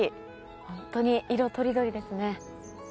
本当に色とりどりですね。